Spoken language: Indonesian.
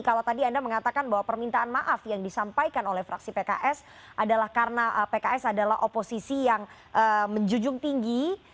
kalau tadi anda mengatakan bahwa permintaan maaf yang disampaikan oleh fraksi pks adalah karena pks adalah oposisi yang menjunjung tinggi